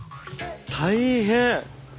大変！